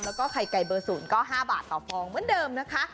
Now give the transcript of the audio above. แล้วก็ไข่ไก่เบอร์๐ก็๕บาทต่อฟองเหมือนเดิมนะคะ